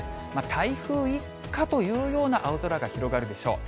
台風一過というような青空が広がるでしょう。